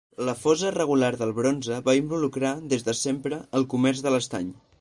La fosa regular del bronze va involucrar, des de sempre, el comerç de l'estany.